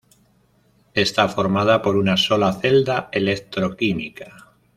Está formada por una sola celda electroquímica.